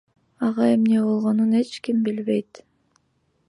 Ага эмне болгонун эч ким билбейт.